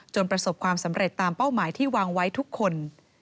ประสบความสำเร็จตามเป้าหมายที่วางไว้ทุกคน